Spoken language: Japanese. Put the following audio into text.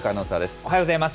おはようございます。